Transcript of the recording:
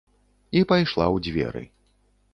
І пайшла ў дзверы.